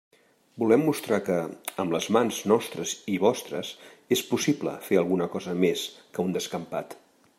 Volem mostrar que, amb les mans nostres i vostres, és possible fer alguna cosa més que un descampat.